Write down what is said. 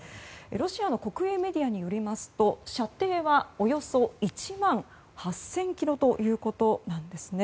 ロシアの国営メディアによりますと射程はおよそ１万８０００ｋｍということなんですね。